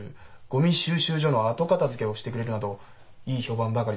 「ゴミ収集所の後片づけをしてくれる」などいい評判ばかりでした。